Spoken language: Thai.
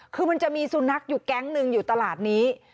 คือมันจะมีสุนัขอยู่แก๊งหนึ่งอยู่ตลาดนี้